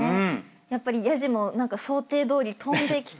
やっぱりやじも想定どおり飛んできたし。